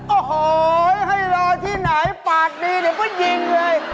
โอ้โหให้รอที่ไหนปากดีเดี๋ยวก็ยิงเลย